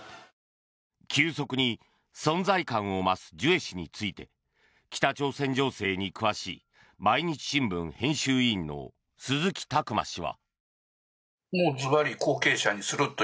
急速に存在感を増すジュエ氏について北朝鮮情勢に詳しい毎日新聞編集委員の鈴木琢磨氏は。